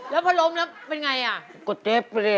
แล้วพอล้มแล้วเป็นอย่างไรก็เจ็บไปเลย